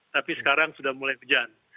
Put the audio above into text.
tapi sekarang sudah mulai kejan